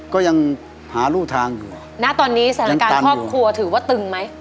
ก็ยังหารูทางอยู่ณตอนนี้สถานการณ์ครอบครัวถือว่าตึงไหม